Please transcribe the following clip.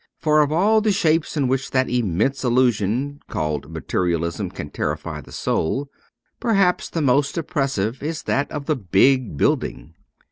For of all the shapes in which that immense illusion called Materialism can terrify the soul, perhaps the most oppressive is that of the big building.